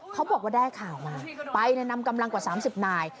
เขาบอกว่าได้ข่าวมาไปนำกำลังกว่า๓๐นาย